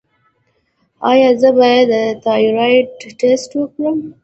ایا زه باید د تایرايډ ټسټ وکړم؟